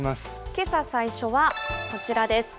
けさ最初は、こちらです。